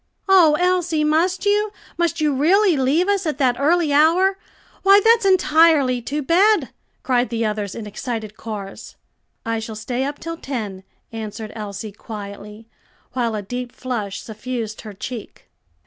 "Oh, Elsie, must you? must you really leave us at that early hour? Why, that's entirely too bad!" cried the others in excited chorus. "I shall stay up till ten," answered Elsie quietly, while a deep flush suffused her cheek.